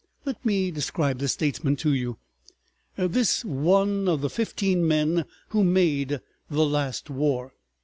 Let me describe this statesman to you, this one of the fifteen men who made the last war.